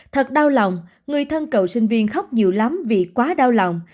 thật đau lòng người thân cậu sinh viên khóc nhiều lắm vì quá đau lòng